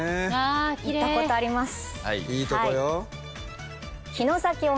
行ったことあります。